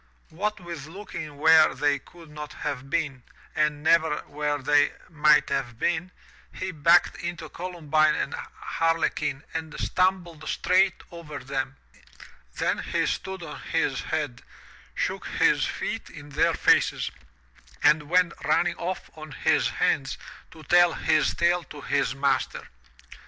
What with looking where they could not have been, and never where they might have been, he *From Milton's L* Allegro. 358 THROUGH FAIRY HALLS backed into Columbine and Harlequin and stumbled straight over them. Then he stood on his head, shook his feet in their faces, and went running off on his hands to tell his tale to his master.